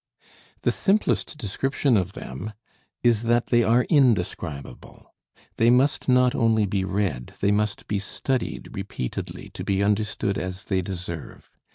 The simplest description of them is that they are indescribable. They must not only be read, they must be studied repeatedly to be understood as they deserve.